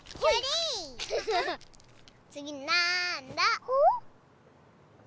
つぎなんだ？